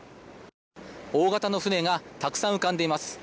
大型の船がたくさん浮かんでいます。